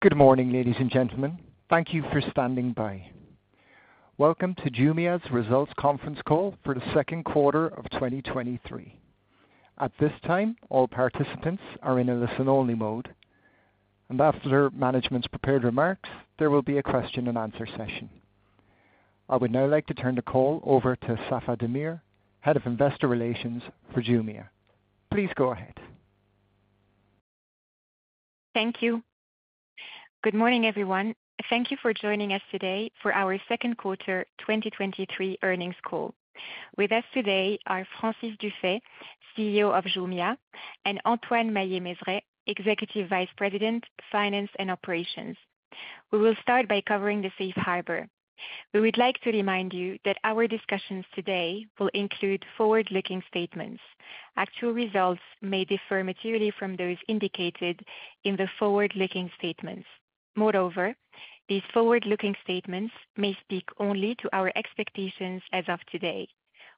Good morning, ladies and gentlemen. Thank you for standing by. Welcome to Jumia's Results Conference Call for the Second Quarter of 2023. At this time, all participants are in a listen-only mode. After management's prepared remarks, there will be a question and answer session. I would now like to turn the call over to Safae Damir, Head of Investor Relations for Jumia. Please go ahead. Thank you. Good morning, everyone. Thank you for joining us today for our second quarter 2023 earnings call. With us today are Francis Dufay, CEO of Jumia, and Antoine Maillet-Mezeray, Executive Vice President, Finance and Operations. We will start by covering the safe harbor. We would like to remind you that our discussions today will include forward-looking statements. Actual results may differ materially from those indicated in the forward-looking statements. Moreover, these forward-looking statements may speak only to our expectations as of today.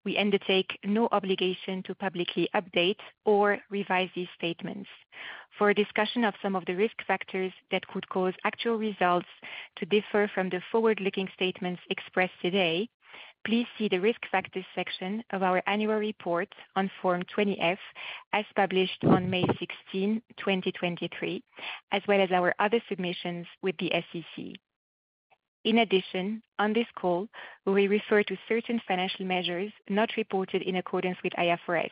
We undertake no obligation to publicly update or revise these statements. For a discussion of some of the risk factors that could cause actual results to differ from the forward-looking statements expressed today, please see the Risk Factors section of our annual report on Form 20-F, as published on May 16, 2023, as well as our other submissions with the SEC. On this call, we refer to certain financial measures not reported in accordance with IFRS.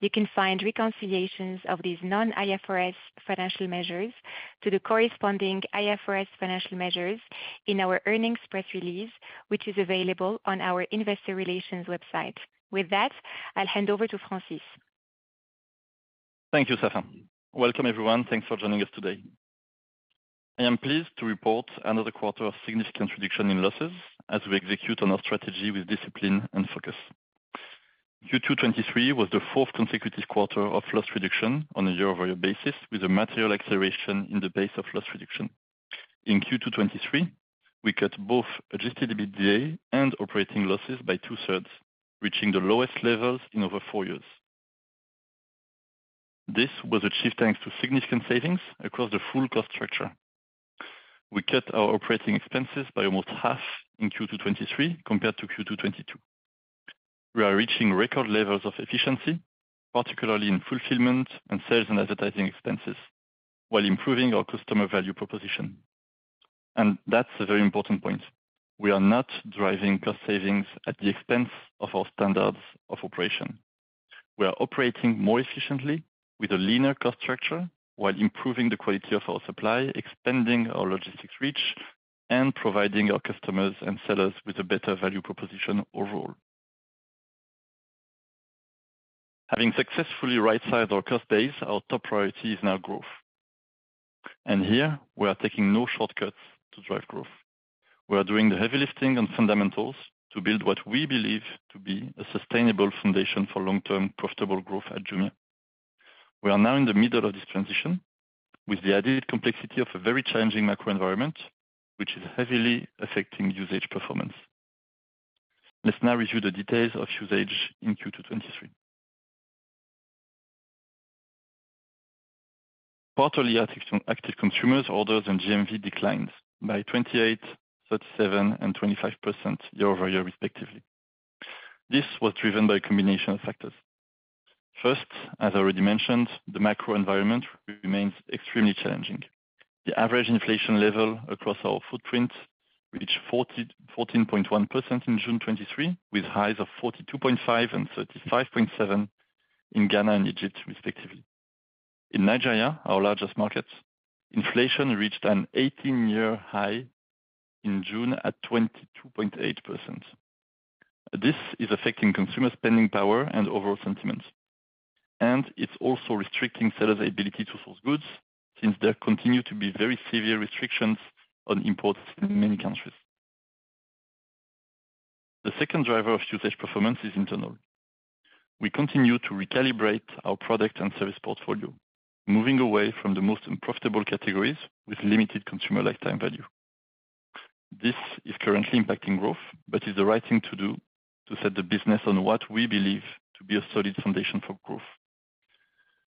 You can find reconciliations of these non-IFRS financial measures to the corresponding IFRS financial measures in our earnings press release, which is available on our investor relations website. With that, I'll hand over to Francis. Thank you, Safae. Welcome, everyone. Thanks for joining us today. I am pleased to report another quarter of significant reduction in losses as we execute on our strategy with discipline and focus. Q2 2023 was the fourth consecutive quarter of loss reduction on a year-over-year basis, with a material acceleration in the pace of loss reduction. In Q2 2023, we cut both Adjusted EBITDA and operating losses by two-thirds, reaching the lowest levels in over four years. This was achieved thanks to significant savings across the full cost structure. We cut our operating expenses by almost half in Q2 2023 compared to Q2 2022. We are reaching record levels of efficiency, particularly in fulfillment and sales and advertising expenses, while improving our customer value proposition. That's a very important point. We are not driving cost savings at the expense of our standards of operation. We are operating more efficiently with a leaner cost structure while improving the quality of our supply, expanding our logistics reach, and providing our customers and sellers with a better value proposition overall. Having successfully right-sized our cost base, our top priority is now growth. Here we are taking no shortcuts to drive growth. We are doing the heavy lifting and fundamentals to build what we believe to be a sustainable foundation for long-term profitable growth at Jumia. We are now in the middle of this transition with the added complexity of a very challenging macro environment, which is heavily affecting usage performance. Let's now review the details of usage in Q2 2023. Quarterly active, active consumers, orders, and GMV declines by 28, 37, and 25% year-over-year, respectively. This was driven by a combination of factors. First, as I already mentioned, the macro environment remains extremely challenging. The average inflation level across our footprint reached 14.1% in June 2023, with highs of 42.5 and 35.7 in Ghana and Egypt, respectively. In Nigeria, our largest market, inflation reached an 18-year high in June at 22.8%. This is affecting consumer spending power and overall sentiment, and it's also restricting sellers' ability to source goods since there continue to be very severe restrictions on imports in many countries. The second driver of usage performance is internal. We continue to recalibrate our product and service portfolio, moving away from the most unprofitable categories with limited consumer lifetime value. This is currently impacting growth, but is the right thing to do to set the business on what we believe to be a solid foundation for growth.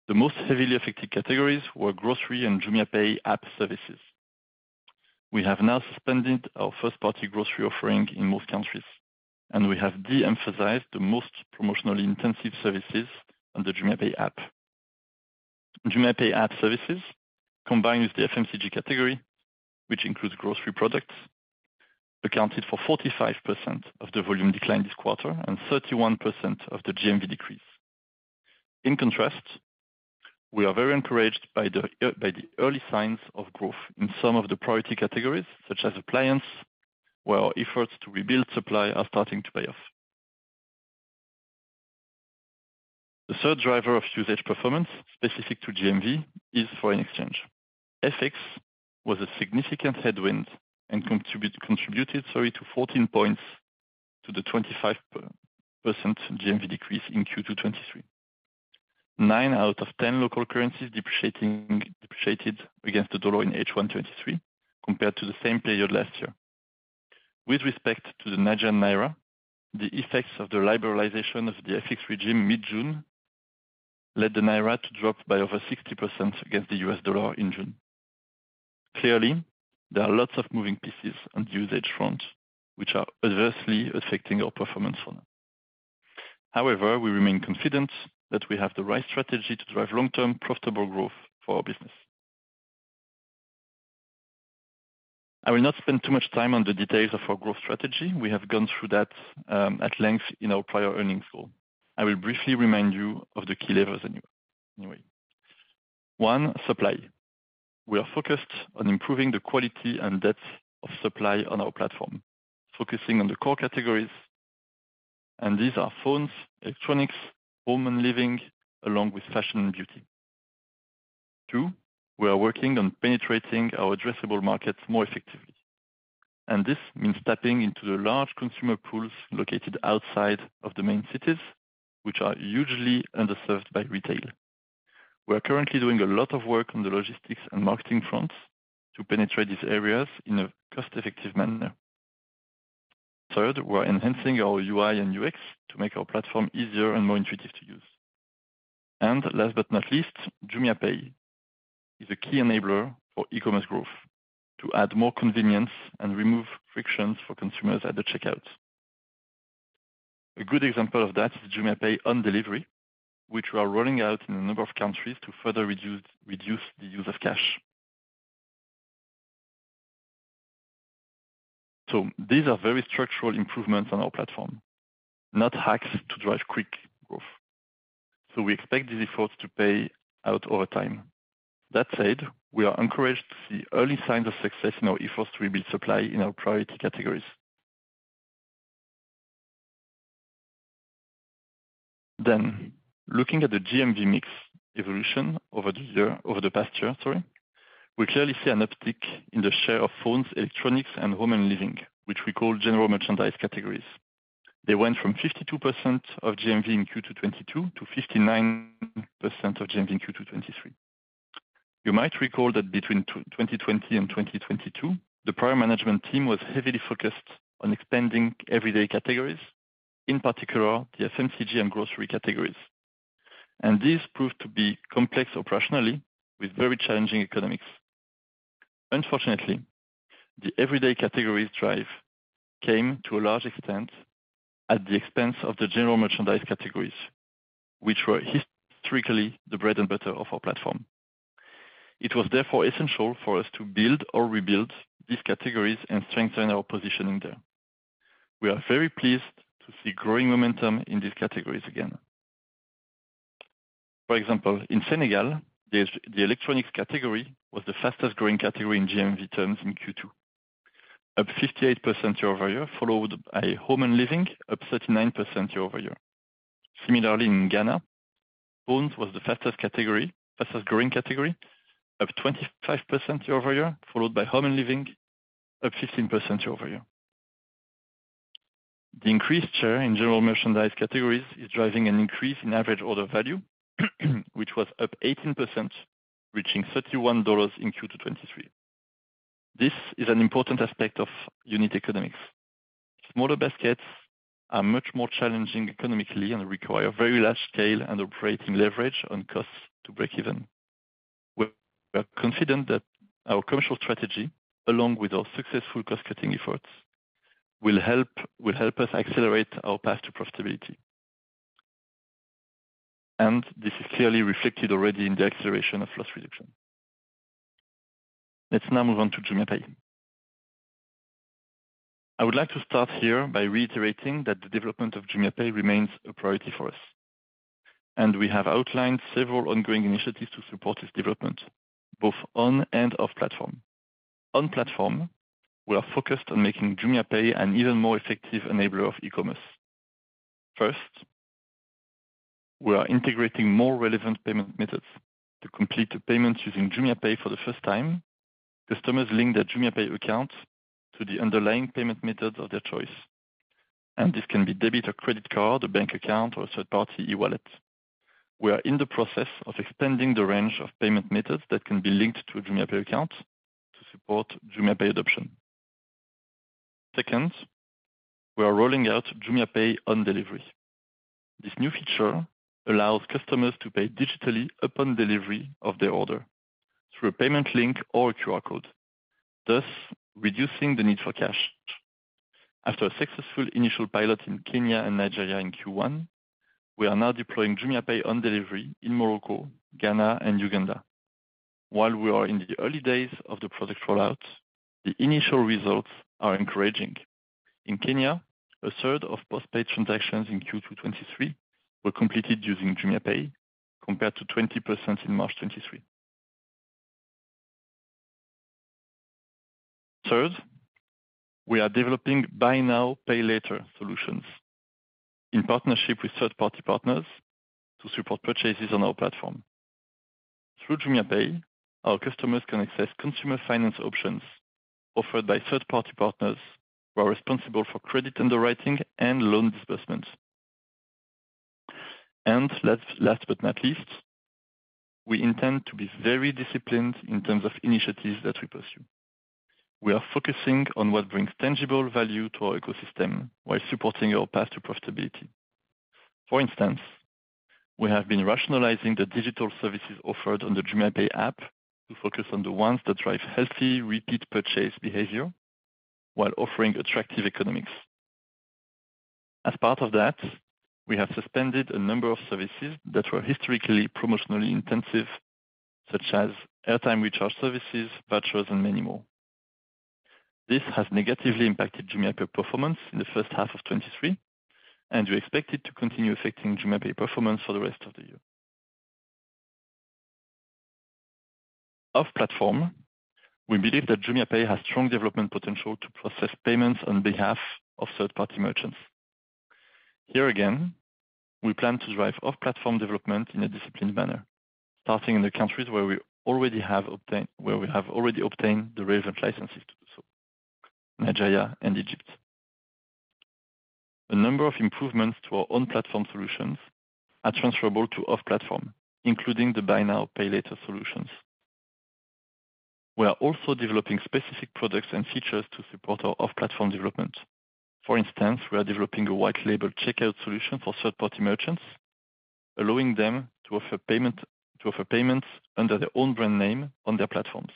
The most heavily affected categories were grocery and JumiaPay app services. We have now suspended our first-party grocery offering in most countries, and we have de-emphasized the most promotionally intensive services on the JumiaPay app. JumiaPay app services, combined with the FMCG category, which includes grocery products, accounted for 45% of the volume decline this quarter and 31% of the GMV decrease. In contrast, we are very encouraged by the early signs of growth in some of the priority categories, such as appliances, where our efforts to rebuild supply are starting to pay off. The third driver of usage performance specific to GMV is foreign exchange. FX was a significant headwind and contributed, sorry, to 14 points to the 25% GMV decrease in Q2 2023. nine out of 10 local currencies depreciated against the dollar in H1 2023 compared to the same period last year. With respect to the Nigerian naira, the effects of the liberalization of the FX regime mid-June led the naira to drop by over 60% against the U.S. dollar in June. Clearly, there are lots of moving pieces on the usage front, which are adversely affecting our performance for now. However, we remain confident that we have the right strategy to drive long-term profitable growth for our business. I will not spend too much time on the details of our growth strategy. We have gone through that at length in our prior earnings call. I will briefly remind you of the key levers anyway, anyway. one, supply. We are focused on improving the quality and depth of supply on our platform, focusing on the core categories. These are phones, electronics, home and living, along with fashion and beauty. Two, we are working on penetrating our addressable markets more effectively. This means tapping into the large consumer pools located outside of the main cities, which are hugely underserved by retail. We are currently doing a lot of work on the logistics and marketing front to penetrate these areas in a cost-effective manner. Third, we are enhancing our UI and UX to make our platform easier and more intuitive to use. Last but not least, JumiaPay is a key enabler for e-commerce growth to add more convenience and remove frictions for consumers at the checkout. A good example of that is JumiaPay on delivery, which we are rolling out in a number of countries to further reduce the use of cash. These are very structural improvements on our platform, not hacks to drive quick growth. We expect these efforts to pay out over time. That said, we are encouraged to see early signs of success in our efforts to rebuild supply in our priority categories. Looking at the GMV mix evolution over the year, over the past year, sorry, we clearly see an uptick in the share of phones, electronics, and home and living, which we call general merchandise categories. They went from 52% of GMV in Q2 2022 to 59% of GMV in Q2 2023. You might recall that between 2020 and 2022, the prior management team was heavily focused on expanding everyday categories, in particular, the FMCG and grocery categories. These proved to be complex operationally, with very challenging economics. Unfortunately, the everyday categories drive came to a large extent at the expense of the general merchandise categories, which were historically the bread and butter of our platform. It was therefore essential for us to build or rebuild these categories and strengthen our positioning there. We are very pleased to see growing momentum in these categories again. For example, in Senegal, the electronics category was the fastest growing category in GMV terms in Q2, up 58% year-over-year, followed by home and living, up 39% year-over-year. Similarly, in Ghana, phones was the fastest category, fastest growing category, up 25% year-over-year, followed by home and living, up 15% year-over-year. The increased share in general merchandise categories is driving an increase in average order value, which was up 18%, reaching $31 in Q2 2023. This is an important aspect of unit economics. Smaller baskets are much more challenging economically and require very large scale and operating leverage on costs to break even. We are confident that our commercial strategy, along with our successful cost-cutting efforts, will help us accelerate our path to profitability. This is clearly reflected already in the acceleration of loss reduction. Let's now move on to JumiaPay. I would like to start here by reiterating that the development of JumiaPay remains a priority for us, and we have outlined several ongoing initiatives to support this development, both on and off platform. On platform, we are focused on making JumiaPay an even more effective enabler of e-commerce. First, we are integrating more relevant payment methods. To complete a payment using JumiaPay for the first time, customers link their JumiaPay account to the underlying payment method of their choice, and this can be debit or credit card, a bank account, or a third-party e-wallet. We are in the process of extending the range of payment methods that can be linked to a JumiaPay account to support JumiaPay adoption. Second, we are rolling out JumiaPay on Delivery. This new feature allows customers to pay digitally upon delivery of their order through a payment link or a QR code, thus reducing the need for cash. After a successful initial pilot in Kenya and Nigeria in Q1, we are now deploying JumiaPay on Delivery in Morocco, Ghana, and Uganda. While we are in the early days of the product rollout, the initial results are encouraging. In Kenya, a third of postpaid transactions in Q2 2023 were completed using JumiaPay, compared to 20% in March 2023. Third, we are developing buy now, pay later solutions in partnership with third-party partners to support purchases on our platform. Through JumiaPay, our customers can access consumer finance options offered by third-party partners who are responsible for credit underwriting and loan disbursement. Last but not least, we intend to be very disciplined in terms of initiatives that we pursue. We are focusing on what brings tangible value to our ecosystem while supporting our path to profitability. For instance, we have been rationalizing the digital services offered on the JumiaPay app to focus on the ones that drive healthy, repeat purchase behavior while offering attractive economics. As part of that, we have suspended a number of services that were historically promotionally intensive, such as airtime recharge services, vouchers, and many more. This has negatively impacted JumiaPay performance in H1 2023, and we expect it to continue affecting JumiaPay performance for the rest of the year. Off-platform, we believe that JumiaPay has strong development potential to process payments on behalf of third-party merchants. Here again, we plan to drive off-platform development in a disciplined manner, starting in the countries where we have already obtained the relevant licenses to do so, Nigeria and Egypt. A number of improvements to our on-platform solutions are transferable to off-platform, including the buy now, pay later solutions. We are also developing specific products and features to support our off-platform development. For instance, we are developing a white label checkout solution for third-party merchants, allowing them to offer payments under their own brand name on their platforms.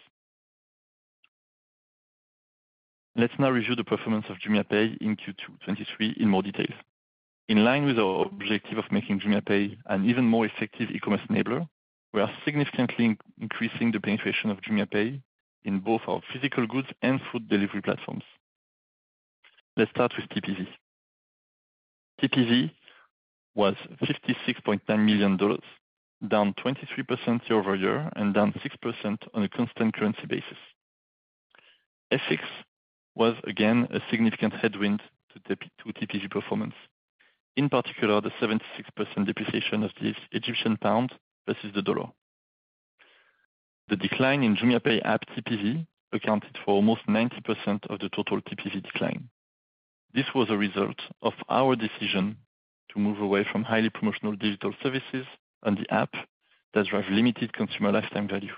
Let's now review the performance of JumiaPay in Q2 2023 in more detail. In line with our objective of making JumiaPay an even more effective e-commerce enabler, we are significantly increasing the penetration of JumiaPay in both our physical goods and food delivery platforms. Let's start with TPV. TPV was $56.9 million, down 23% year-over-year, and down 6% on a constant currency basis. FX was again a significant headwind to TPV performance, in particular, the 76% depreciation of the Egyptian pound versus the U.S. dollar. The decline in JumiaPay app TPV accounted for almost 90% of the total TPV decline. This was a result of our decision to move away from highly promotional digital services on the app that drive limited consumer lifetime value.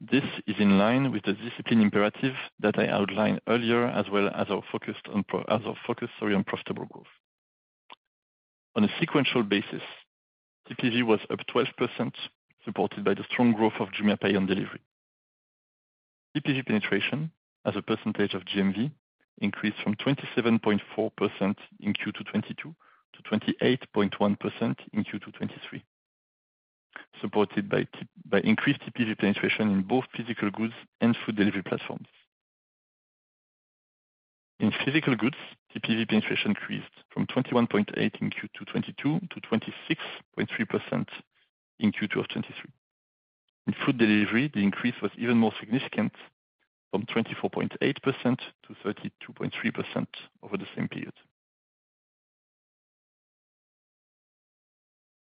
This is in line with the discipline imperative that I outlined earlier, as well as our focus, sorry, on profitable growth. On a sequential basis, TPV was up 12%, supported by the strong growth of JumiaPay on delivery. TPV penetration as a percentage of GMV increased from 27.4% in Q2 2022 to 28.1% in Q2 2023, supported by increased TPV penetration in both physical goods and food delivery platforms. In physical goods, TPV penetration increased from 21.8% in Q2 2022 to 26.3% in Q2 2023. In food delivery, the increase was even more significant, from 24.8%-32.3% over the same period.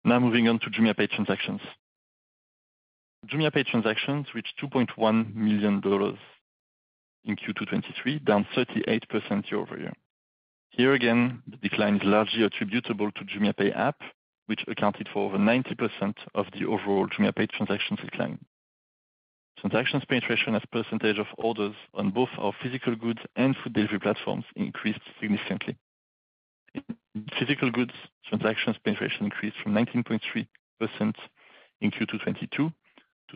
Moving on to JumiaPay transactions. JumiaPay transactions reached $2.1 million in Q2 2023, down 38% year-over-year. Here again, the decline is largely attributable to JumiaPay app, which accounted for over 90% of the overall JumiaPay transactions decline. Transactions penetration as percentage of orders on both our physical goods and food delivery platforms increased significantly. Physical goods transactions penetration increased from 19.3% in Q2 2022 to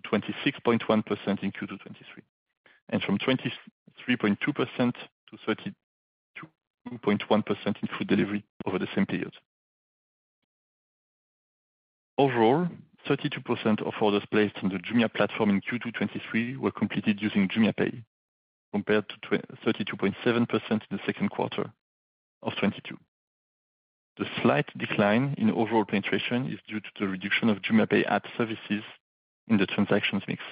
26.1% in Q2 2023, and from 23.2%-32.1% in food delivery over the same period. Overall, 32% of orders placed on the Jumia platform in Q2 2023 were completed using JumiaPay, compared to 32.7% in the second quarter of 2022. The slight decline in overall penetration is due to the reduction of JumiaPay app services in the transactions mix.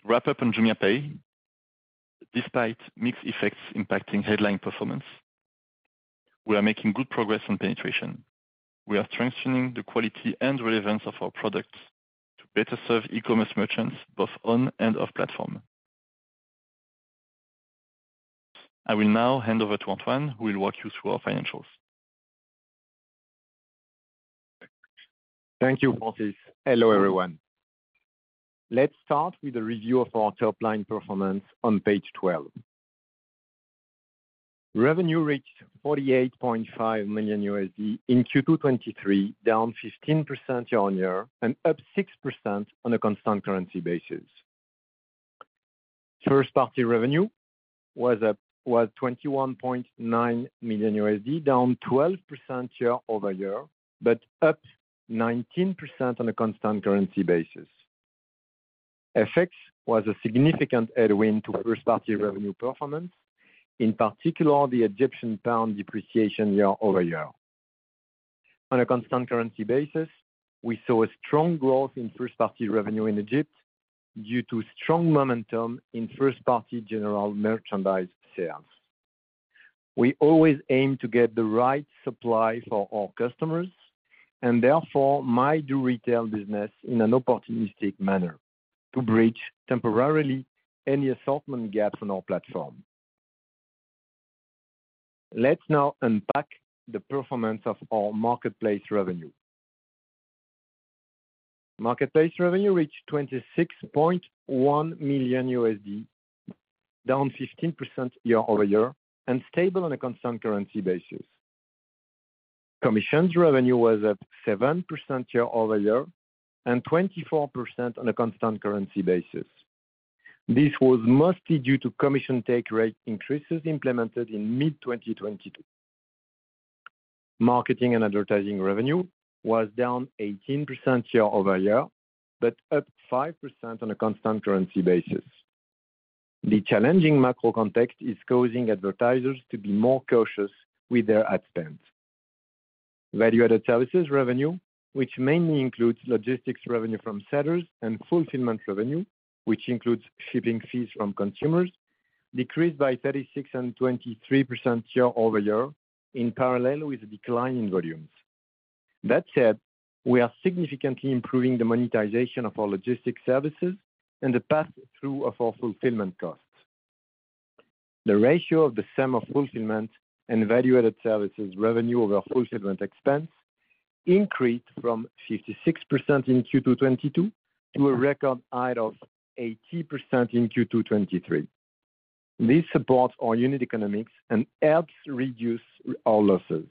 To wrap up on JumiaPay, despite mixed effects impacting headline performance, we are making good progress on penetration. We are strengthening the quality and relevance of our products to better serve e-commerce merchants, both on and off platform. I will now hand over to Antoine Maillet-Mezeray, who will walk you through our financials. Thank you, Francis. Hello, everyone. Let's start with a review of our top-line performance on page 12. Revenue reached $48.5 million in Q2 2023, down 15% year-on-year, and up 6% on a constant currency basis. First party revenue was $21.9 million, down 12% year-over-year, but up 19% on a constant currency basis. FX was a significant headwind to first-party revenue performance, in particular, the Egyptian pound depreciation year-over-year. On a constant currency basis, we saw strong growth in first-party revenue in Egypt due to strong momentum in first-party general merchandise sales. We always aim to get the right supply for our customers, and therefore, might do retail business in an opportunistic manner to bridge temporarily any assortment gap on our platform.... Let's now unpack the performance of our marketplace revenue. Marketplace revenue reached $26.1 million, down 15% year-over-year, stable on a constant currency basis. Commissions revenue was up 7% year-over-year, 24% on a constant currency basis. This was mostly due to commission take rate increases implemented in mid-2022. Marketing and advertising revenue was down 18% year-over-year, up 5% on a constant currency basis. The challenging macro context is causing advertisers to be more cautious with their ad spends. Value-added services revenue, which mainly includes logistics revenue from sellers and fulfillment revenue, which includes shipping fees from consumers, decreased by 36% and 23% year-over-year, in parallel with a decline in volumes. That said, we are significantly improving the monetization of our logistics services and the pass-through of our fulfillment costs. The ratio of the sum of fulfillment and value-added services revenue over fulfillment expense increased from 56% in Q2 2022 to a record high of 80% in Q2 2023. This supports our unit economics and helps reduce our losses.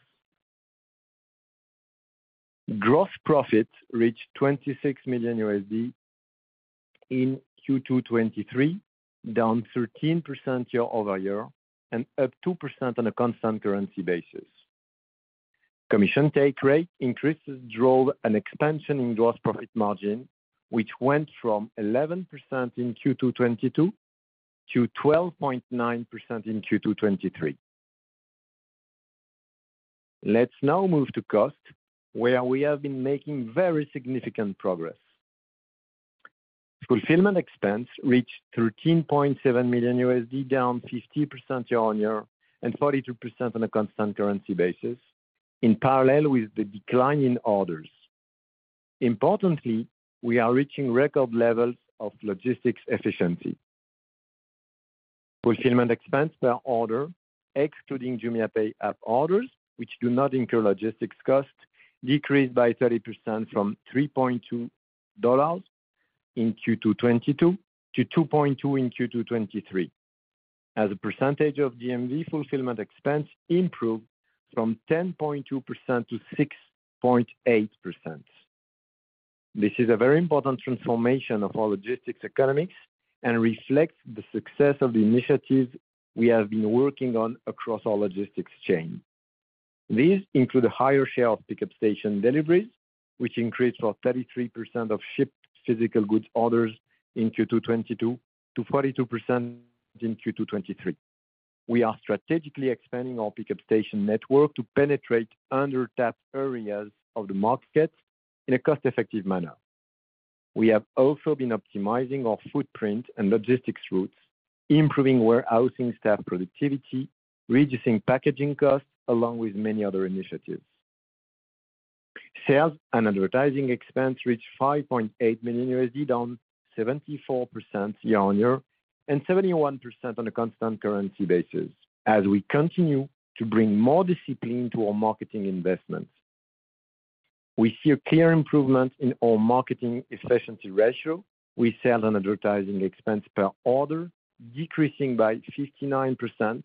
Gross profit reached $26 million in Q2 2023, down 13% year-over-year, and up 2% on a constant currency basis. Commission take rate increases drove an expansion in gross profit margin, which went from 11% in Q2 2022 to 12.9% in Q2 2023. Let's now move to cost, where we have been making very significant progress. Fulfillment expense reached $13.7 million, down 50% year-on-year, and 42% on a constant currency basis, in parallel with the decline in orders. Importantly, we are reaching record levels of logistics efficiency. Fulfillment expense per order, excluding JumiaPay app orders, which do not incur logistics costs, decreased by 30% from $3.2 in Q2 2022 to $2.2 in Q2 2023. As a percentage of GMV, fulfillment expense improved from 10.2% to 6.8%. This is a very important transformation of our logistics economics and reflects the success of the initiatives we have been working on across our logistics chain. These include a higher share of pickup station deliveries, which increased from 33% of shipped physical goods orders in Q2 2022 to 42% in Q2 2023. We are strategically expanding our pickup station network to penetrate under-tapped areas of the market in a cost-effective manner. We have also been optimizing our footprint and logistics routes, improving warehousing staff productivity, reducing packaging costs, along with many other initiatives. Sales and advertising expense reached $5.8 million, down 74% year-on-year, and 71% on a constant currency basis, as we continue to bring more discipline to our marketing investments. We see a clear improvement in our marketing efficiency ratio, with sales and advertising expense per order decreasing by 59%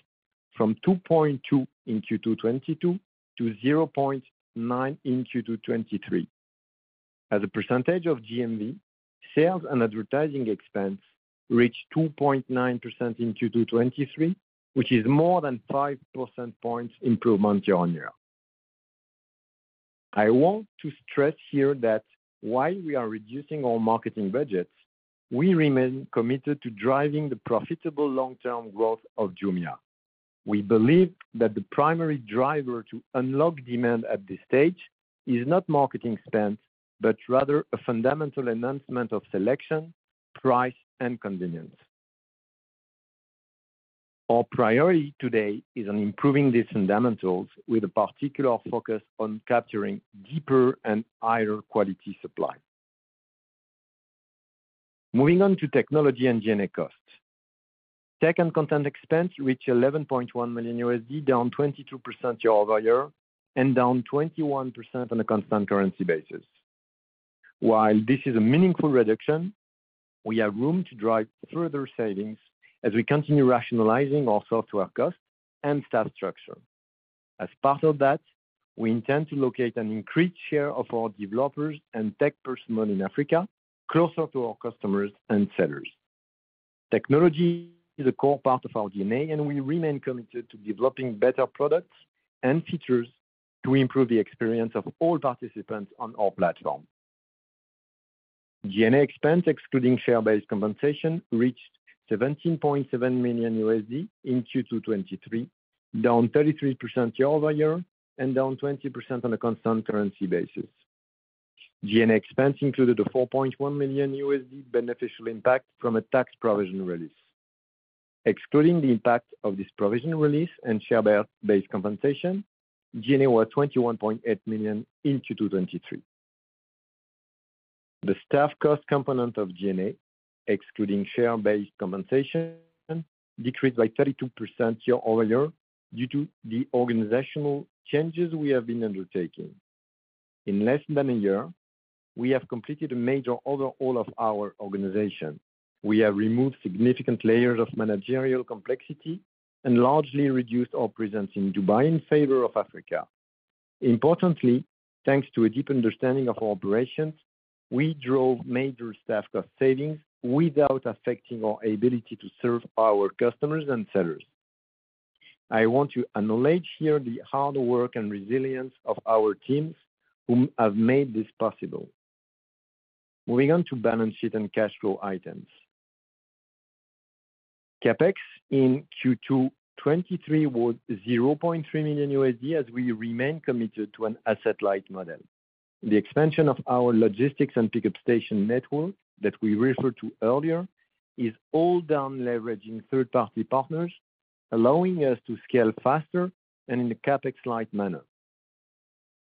from 2.2 in Q2 2022 to 0.9 in Q2 2023. As a percentage of GMV, sales and advertising expense reached 2.9% in Q2 2023, which is more than 5 percentage points improvement year-on-year. I want to stress here that while we are reducing our marketing budgets, we remain committed to driving the profitable long-term growth of Jumia. We believe that the primary driver to unlock demand at this stage is not marketing spend, but rather a fundamental enhancement of selection, price, and convenience. Our priority today is on improving these fundamentals with a particular focus on capturing deeper and higher quality supply. Moving on to technology and G&A costs. Tech and content expense reached $11.1 million, down 22% year-over-year, and down 21% on a constant currency basis. While this is a meaningful reduction, we have room to drive further savings as we continue rationalizing our software costs and staff structure. As part of that, we intend to locate an increased share of our developers and tech personnel in Africa, closer to our customers and sellers. Technology is a core part of our DNA, and we remain committed to developing better products and features to improve the experience of all participants on our platform. G&A expense, excluding share-based compensation, reached $17.7 million in Q2 '23, down 33% year-over-year, and down 20% on a constant currency basis. G&A expense included a $4.1 million beneficial impact from a tax provision release. Excluding the impact of this provision release and share-based compensation, G&A was $21.8 million in Q2 '23. The staff cost component of G&A, excluding share-based compensation, decreased by 32% year-over-year due to the organizational changes we have been undertaking. In less than a year, we have completed a major overhaul of our organization. We have removed significant layers of managerial complexity and largely reduced our presence in Dubai in favor of Africa. Importantly, thanks to a deep understanding of our operations, we drove major staff cost savings without affecting our ability to serve our customers and sellers. I want to acknowledge here the hard work and resilience of our teams whom have made this possible. Moving on to balance sheet and cash flow items. CapEx in Q2 2023 was $0.3 million, as we remain committed to an asset-light model. The expansion of our logistics and pickup station network that we referred to earlier is all done leveraging third-party partners, allowing us to scale faster and in a CapEx-light manner.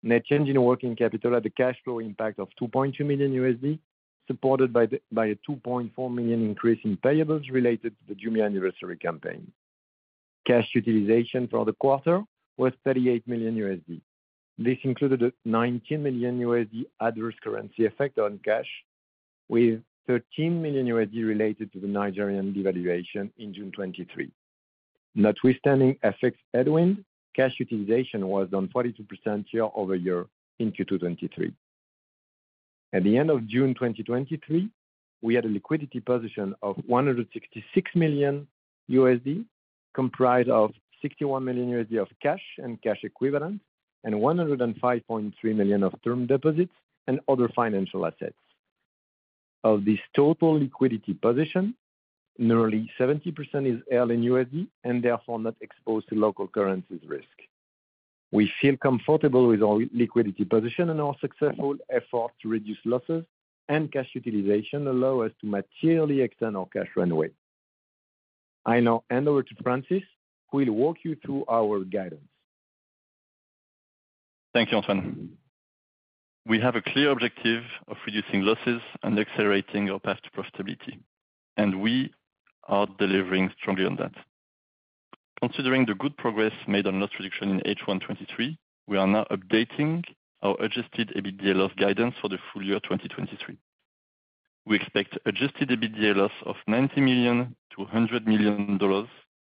Net change in working capital had a cash flow impact of $2.2 million, supported by a $2.4 million increase in payables related to the Jumia Anniversary campaign. Cash utilization for the quarter was $38 million. This included a $19 million adverse currency effect on cash, with $13 million related to the Nigerian devaluation in June 2023. Notwithstanding FX headwind, cash utilization was down 42% year-over-year in Q2 2023. At the end of June 2023, we had a liquidity position of $166 million, comprised of $61 million of cash and cash equivalents, and $105.3 million of term deposits and other financial assets. Of this total liquidity position, nearly 70% is held in USD, and therefore not exposed to local currencies risk. We feel comfortable with our liquidity position, and our successful effort to reduce losses and cash utilization allow us to materially extend our cash runway. I now hand over to Francis, who will walk you through our guidance. Thank you, Antoine. We have a clear objective of reducing losses and accelerating our path to profitability, and we are delivering strongly on that. Considering the good progress made on loss reduction in H1 '23, we are now updating our Adjusted EBITDA loss guidance for the full year 2023. We expect Adjusted EBITDA loss of $90 million-$100 million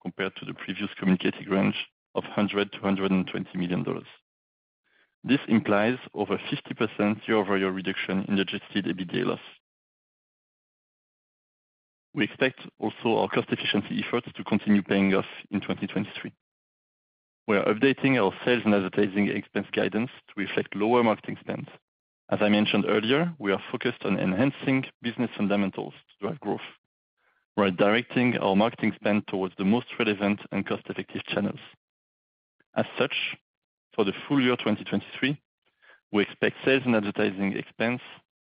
compared to the previous communicated range of $100 million-$120 million. This implies over 50% year-over-year reduction in Adjusted EBITDA loss. We expect also our cost efficiency efforts to continue paying off in 2023. We are updating our sales and advertising expense guidance to reflect lower marketing spends. As I mentioned earlier, we are focused on enhancing business fundamentals to drive growth. We're directing our marketing spend towards the most relevant and cost-effective channels. For the full year 2023, we expect sales and advertising expense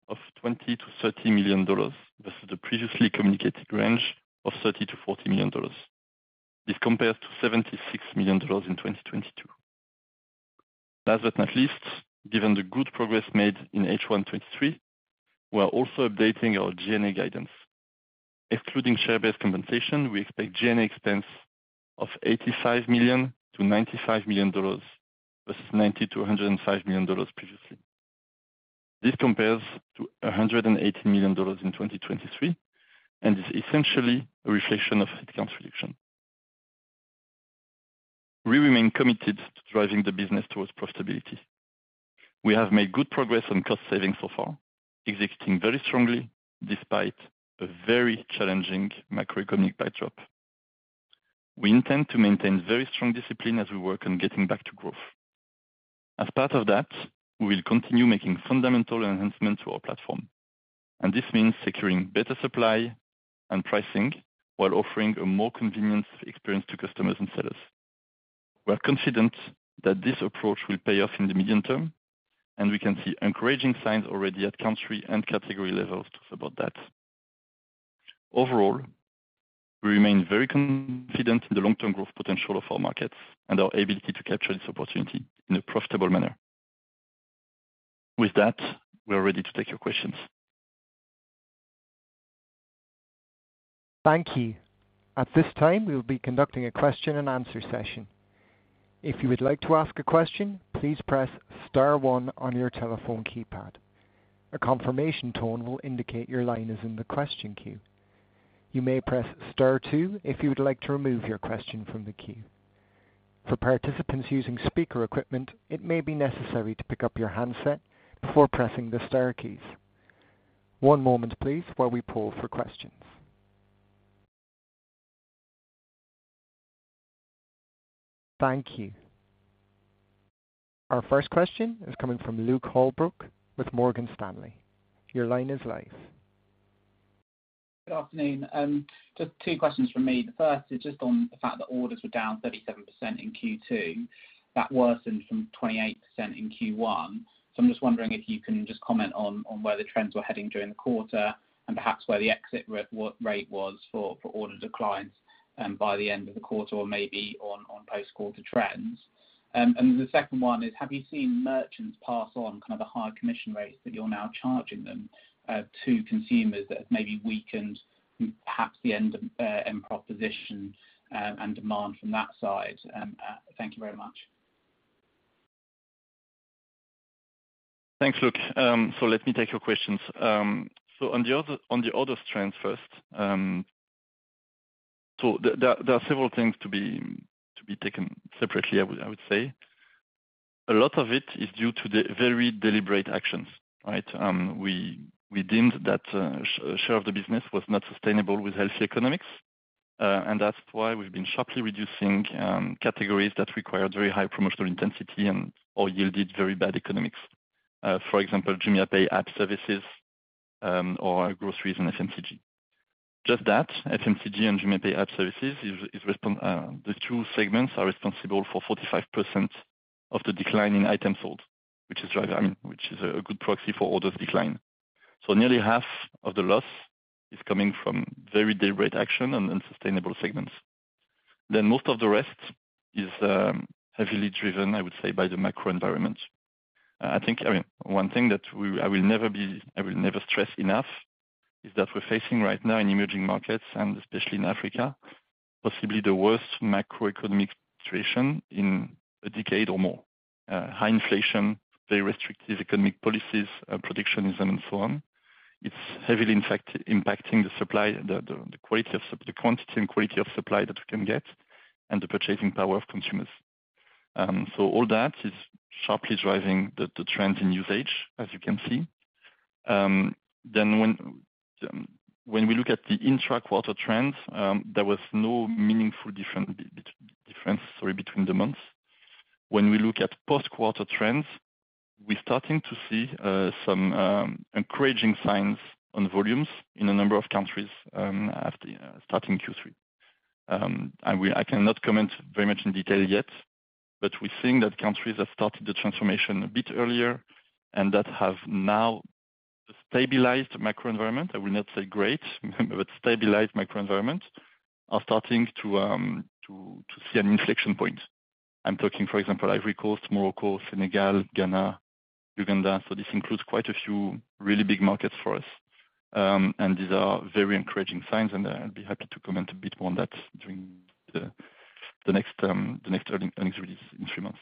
of $20 million-$30 million versus the previously communicated range of $30 million-$40 million. This compares to $76 million in 2022. Last but not least, given the good progress made in H1 2023, we are also updating our G&A guidance. Excluding share-based compensation, we expect G&A expense of $85 million-$95 million, versus $90 million-$105 million previously. This compares to $118 million in 2023, and is essentially a reflection of headcount reduction. We remain committed to driving the business towards profitability. We have made good progress on cost savings so far, executing very strongly despite a very challenging macroeconomic backdrop. We intend to maintain very strong discipline as we work on getting back to growth. As part of that, we will continue making fundamental enhancements to our platform, and this means securing better supply and pricing, while offering a more convenient experience to customers and sellers. We are confident that this approach will pay off in the medium term, and we can see encouraging signs already at country and category levels to support that. Overall, we remain very confident in the long-term growth potential of our markets and our ability to capture this opportunity in a profitable manner. With that, we are ready to take your questions. Thank you. At this time, we will be conducting a question and answer session. If you would like to ask a question, please press star one on your telephone keypad. A confirmation tone will indicate your line is in the question queue. You may press star two if you would like to remove your question from the queue. For participants using speaker equipment, it may be necessary to pick up your handset before pressing the star keys. One moment, please, while we poll for questions. Thank you. Our first question is coming from Luke Holbrook with Morgan Stanley. Your line is live. Good afternoon. Just two questions from me. The first is just on the fact that orders were down 37% in Q2. That worsened from 28% in Q1. I'm just wondering if you can just comment on, on where the trends were heading during the quarter, and perhaps where the exit rate was for, for order declines by the end of the quarter, or maybe on, on post-quarter trends. The second one is, have you seen merchants pass on kind of the higher commission rates that you're now charging them to consumers that have maybe weakened perhaps the end proposition and demand from that side? Thank you very much. Thanks, Luke. Let me take your questions. On the other, on the order trends first, there are several things to be taken separately, I would say. A lot of it is due to the very deliberate actions, right? We deemed that share of the business was not sustainable with healthy economics, and that's why we've been sharply reducing categories that require very high promotional intensity and or yielded very bad economics. For example, JumiaPay app services, or groceries and FMCG. Just that, FMCG and JumiaPay app services is respond, the two segments are responsible for 45% of the decline in items sold, which is I mean, which is a good proxy for orders decline. Nearly half of the loss is coming from very deliberate action on unsustainable segments. Most of the rest is heavily driven, I would say, by the macro environment. I think, I mean, one thing that I will never be, I will never stress enough is that we're facing right now in emerging markets, and especially in Africa, possibly the worst macroeconomic situation in a decade or more. High inflation, very restrictive economic policies, protectionism, and so on. It's heavily, in fact, impacting the supply, the quality of supply. The quantity and quality of supply that we can get and the purchasing power of consumers. All that is sharply driving the trends in usage, as you can see. When, when we look at the intra-quarter trends, there was no meaningful difference, sorry, between the months. When we look at post-quarter trends, we're starting to see some encouraging signs on volumes in a number of countries, after, starting Q3. I cannot comment very much in detail yet, but we're seeing that countries have started the transformation a bit earlier, and that have now stabilized macro environment. I will not say great, but stabilized macro environment, are starting to see an inflection point. I'm talking, for example, Ivory Coast, Morocco, Senegal, Ghana, Uganda. This includes quite a few really big markets for us. These are very encouraging signs, and I'd be happy to comment a bit more on that during the next earnings, earnings release in three months.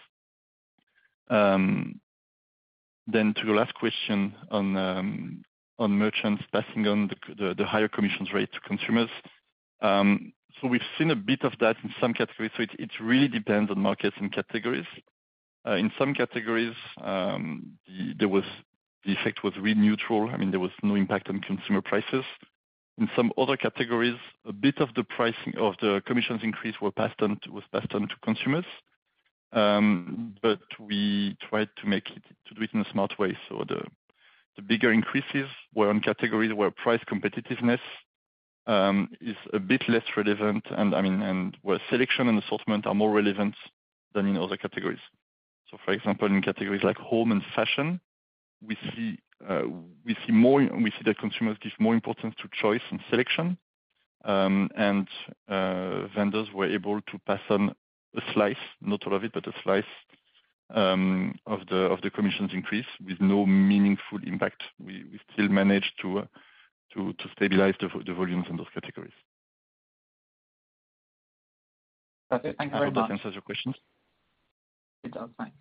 To your last question on merchants passing on the higher commissions rate to consumers. We've seen a bit of that in some categories, so it, it really depends on markets and categories. In some categories, The effect was really neutral. I mean, there was no impact on consumer prices. In some other categories, a bit of the pricing of the commissions increase was passed on to consumers. We tried to do it in a smart way. The, the bigger increases were on categories where price competitiveness is a bit less relevant, and I mean, and where selection and assortment are more relevant than in other categories. For example, in categories like home and fashion, we see that consumers give more importance to choice and selection. Vendors were able to pass on a slice, not all of it, but a slice, of the commission's increase with no meaningful impact. We still managed to stabilize the volumes in those categories. Okay, thank you very much. I hope that answers your questions. It does. Thank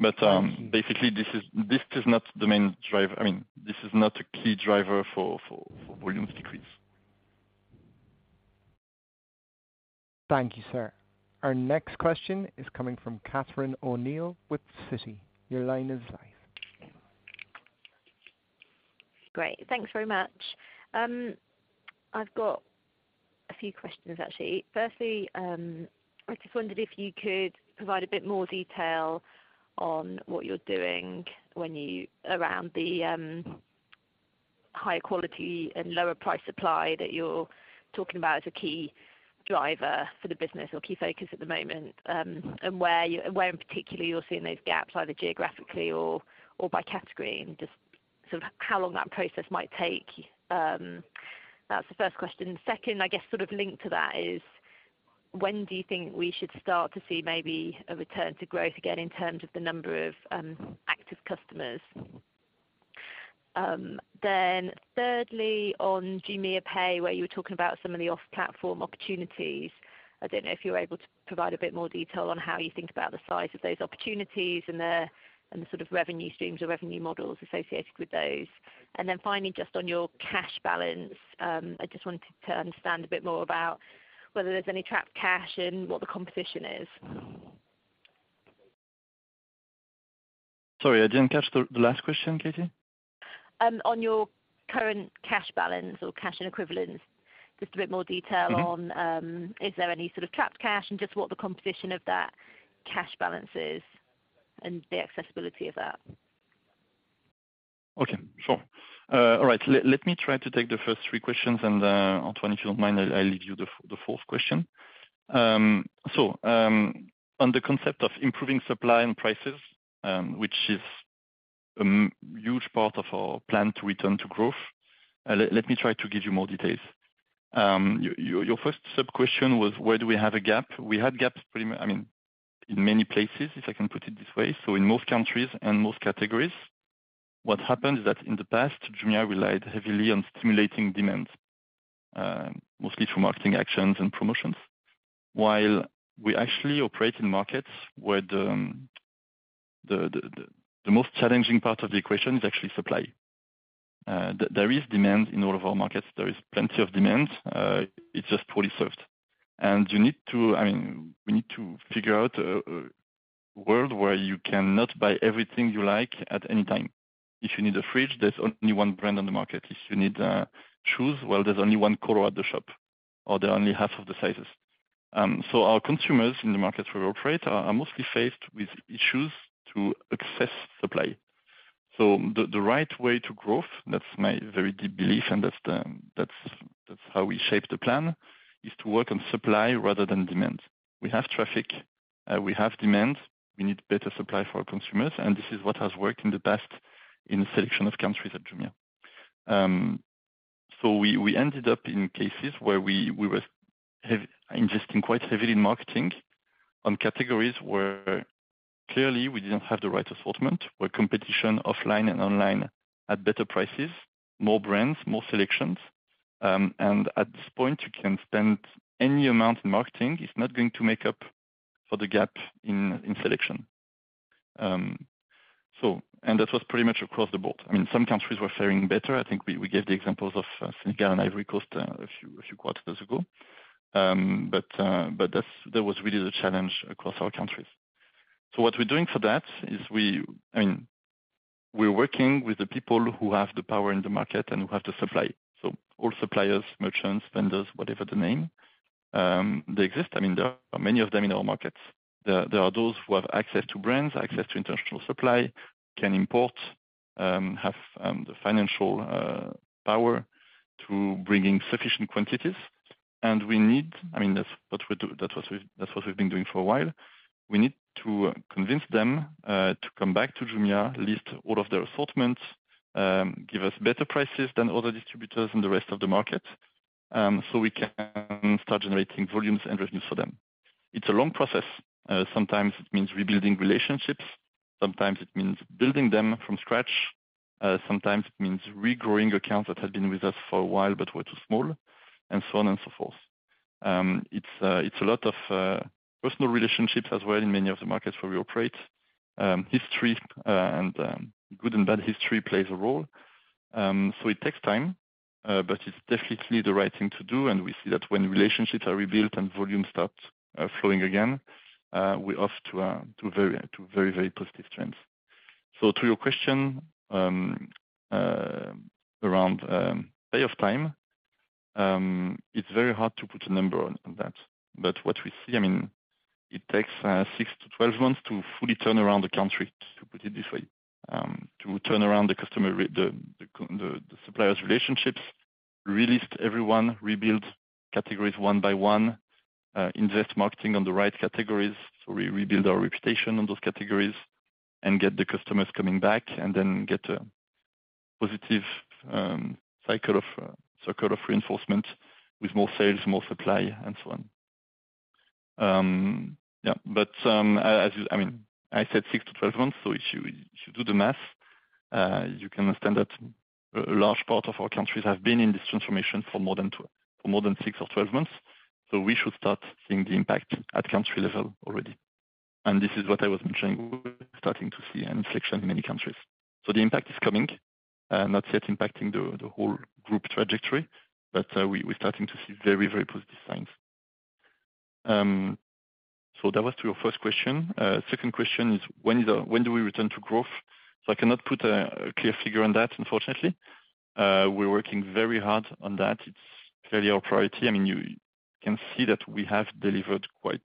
you. Basically, this is, this is not the main driver. I mean, this is not a key driver for, for, for volumes decrease. Thank you, sir. Our next question is coming from Catherine O'Neill with Citi. Your line is live. Great. Thanks very much. I've got a few questions, actually. Firstly, I just wondered if you could provide a bit more detail on what you're doing around the higher quality and lower price supply that you're talking about as a key driver for the business or key focus at the moment, and where in particular, you're seeing those gaps, either geographically or, or by category, and just sort of how long that process might take? That's the first question. Second, I guess sort of linked to that is, when do you think we should start to see maybe a return to growth again in terms of the number of active customers? Thirdly, on JumiaPay, where you were talking about some of the off-platform opportunities, I don't know if you're able to provide a bit more detail on how you think about the size of those opportunities and the, and the sort of revenue streams or revenue models associated with those. Finally, just on your cash balance, I just wanted to understand a bit more about whether there's any trapped cash and what the composition is. Sorry, I didn't catch the, the last question, Cathy. On your current cash balance or cash and equivalents, just a bit more detail on- Okay. Is there any sort of trapped cash and just what the composition of that cash balance is and the accessibility of that? Okay, sure. All right. Let me try to take the first three questions, and Antoine, if you don't mind, I'll leave you the fourth question. On the concept of improving supply and prices, which is a huge part of our plan to return to growth, let me try to give you more details. Your first sub-question was, where do we have a gap? We had gaps pretty, I mean, in many places, if I can put it this way, so in most countries and most categories. What happened is that in the past, Jumia relied heavily on stimulating demand, mostly through marketing actions and promotions. While we actually operate in markets where the most challenging part of the equation is actually supply. There is demand in all of our markets, there is plenty of demand, it's just poorly served. I mean, we need to figure out a world where you cannot buy everything you like at any time. If you need a fridge, there's only one brand on the market. If you need shoes, well, there's only one color at the shop, or there are only half of the sizes. Our consumers in the markets where we operate are mostly faced with issues to access supply. The right way to growth, that's my very deep belief, and that's the, that's how we shape the plan, is to work on supply rather than demand. We have traffic, we have demand, we need better supply for our consumers. This is what has worked in the past in a selection of countries at Jumia. We, we ended up in cases where we, we were investing quite heavily in marketing on categories where clearly we didn't have the right assortment, where competition offline and online had better prices, more brands, more selections. At this point, you can spend any amount in marketing, it's not going to make up for the gap in, in selection. That was pretty much across the board. I mean, some countries were fairing better. I think we, we gave the examples of Senegal and Ivory Coast a few, a few quarters ago. That was really the challenge across our countries. What we're doing for that is we, I mean, we're working with the people who have the power in the market and who have the supply. All suppliers, merchants, vendors, whatever the name, they exist. I mean, there are many of them in our markets. There, there are those who have access to brands, access to international supply, can import, have the financial power to bring in sufficient quantities. We need. I mean, that's what we do. That's what we, that's what we've been doing for a while. We need to convince them to come back to Jumia, list all of their assortments, give us better prices than other distributors in the rest of the market, so we can start generating volumes and revenues for them. It's a long process. Sometimes it means rebuilding relationships, sometimes it means building them from scratch, sometimes it means regrowing accounts that had been with us for a while but were too small, and so on and so forth. It's a lot of personal relationships as well in many of the markets where we operate. History, and good and bad history plays a role. It takes time, but it's definitely the right thing to do, and we see that when relationships are rebuilt and volumes start flowing again, we're off to a, to a very, to very, very positive trends. To your question, around pay off time, it's very hard to put a number on, on that. What we see, I mean, it takes six-12 months to fully turn around the country, to put it this way. To turn around the customer the suppliers' relationships, relist everyone, rebuild categories one by one, invest marketing on the right categories, so we rebuild our reputation on those categories, and get the customers coming back, and then get a positive cycle of, cycle of reinforcement with more sales, more supply, and so on. Yeah, as you... I mean, I said six-12 months, so if you, if you do the math, you can understand that a large part of our countries have been in this transformation for more than for more than six or 12 months, so we should start seeing the impact at country level already. This is what I was mentioning, we're starting to see an inflection in many countries. The impact is coming, not yet impacting the whole group trajectory, but we're starting to see very, very positive signs. That was to your first question. Second question is: When do we return to growth? I cannot put a clear figure on that, unfortunately. We're working very hard on that. It's clearly our priority. I mean, you can see that we have delivered quite,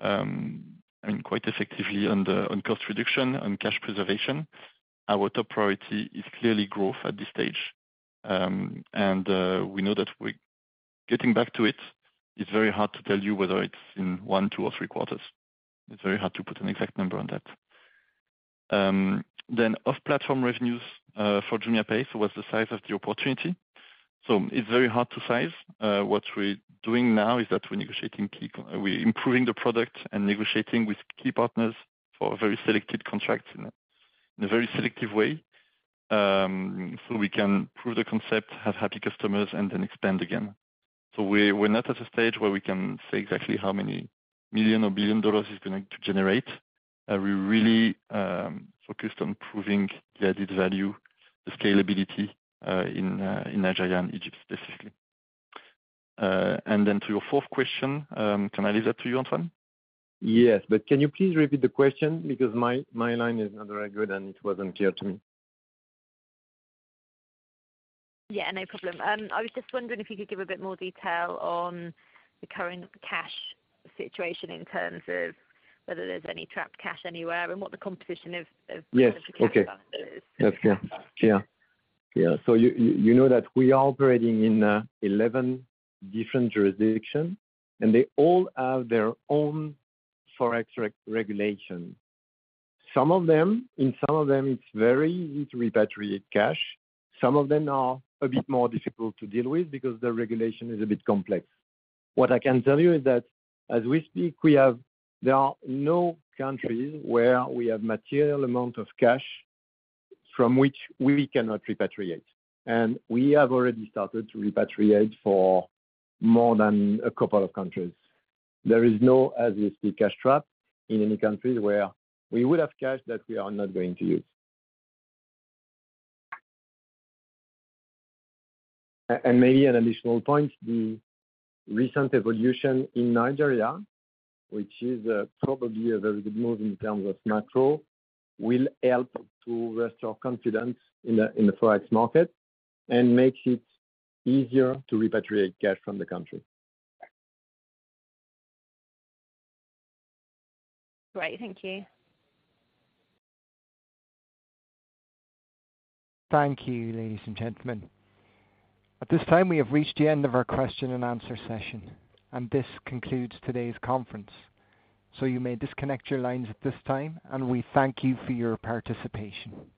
I mean, quite effectively on the, on cost reduction, on cash preservation. Our top priority is clearly growth at this stage. We know that we're getting back to it. It's very hard to tell you whether it's in one, two, or three quarters. It's very hard to put an exact number on that. Off-platform revenues for JumiaPay, so what's the size of the opportunity? It's very hard to size. What we're doing now is that we're improving the product and negotiating with key partners for a very selected contract in a, in a very selective way, so we can prove the concept, have happy customers, and then expand again. We're not at a stage where we can say exactly how many million or billion dollars it's going to generate. We're really focused on proving the added value, the scalability, in Nigeria and Egypt specifically. To your fourth question, can I leave that to you, Antoine? Yes, but can you please repeat the question? Because my, my line is not very good, and it wasn't clear to me. Yeah, no problem. I was just wondering if you could give a bit more detail on the current cash situation in terms of whether there's any trapped cash anywhere and what the competition of. Yes, okay. cash is? Yes. Yeah. Yeah, so you, you, you know that we are operating in 11 different jurisdictions, and they all have their own Forex regulation. Some of them, in some of them, it's very easy to repatriate cash. Some of them are a bit more difficult to deal with because the regulation is a bit complex. What I can tell you is that as we speak, there are no countries where we have material amount of cash from which we cannot repatriate, and we have already started to repatriate for more than a couple of countries. There is no, as we speak, cash trap in any countries where we would have cash that we are not going to use. Maybe an additional point, the recent evolution in Nigeria, which is, probably a very good move in terms of macro, will help to restore confidence in the, in the Forex market and makes it easier to repatriate cash from the country. Great. Thank you. Thank you, ladies and gentlemen. At this time, we have reached the end of our question and answer session, and this concludes today's conference. You may disconnect your lines at this time, and we thank you for your participation.